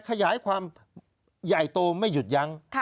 ขยายความใหญ่โตไม่หยุดยั้ง